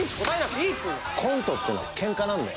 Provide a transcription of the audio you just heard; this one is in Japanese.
コントってのはけんかなんだよ。